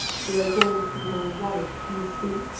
You are going to be my wife, do you see?